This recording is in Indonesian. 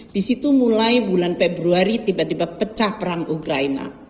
di situ mulai bulan februari tiba tiba pecah perang ukraina